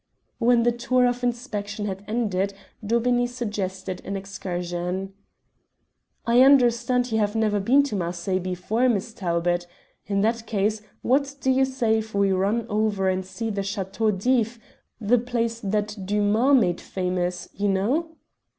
When the tour of inspection had ended Daubeney suggested an excursion. "I understand you have never been to Marseilles before, Miss Talbot. In that case, what do you say if we run over and see the Chateau d'If the place that Dumas made famous, you know?"